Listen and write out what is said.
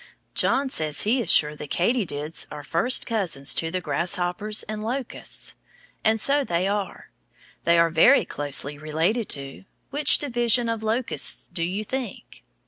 John says he is sure the katydids are first cousins to the grasshoppers and locusts, and so they are. They are very closely related to which division of locusts, do you think?